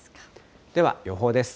では、予報です。